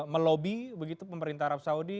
melobi begitu pemerintah arab saudi